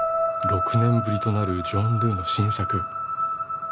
６年ぶりとなるジョン・ドゥの新作